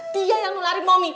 dia yang melarik bomi